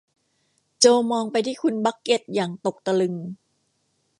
โจมองไปที่คุณบักเก็ตอย่างตกตะลึง